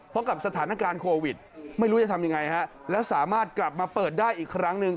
เพราะกับสถานการณ์โควิดไม่รู้จะทำยังไงฮะแล้วสามารถกลับมาเปิดได้อีกครั้งหนึ่ง